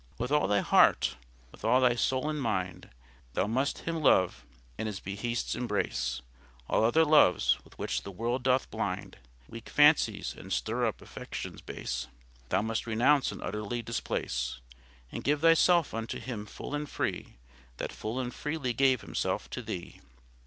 With all thy hart, with all thy soule and mind, Thou must Him love, and His beheasts embrace; All other loves, with which the world doth blind Weake fancies, and stirre up affections base, Thou must renounce and utterly displace, And give thy selfe unto Him full and free, That full and freely gave Himselfe to thee.